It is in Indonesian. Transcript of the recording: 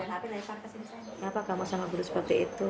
kenapa kamu sama guru seperti itu